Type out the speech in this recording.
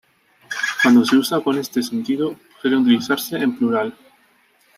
Cuando se usa con este sentido, suele utilizarse en plural.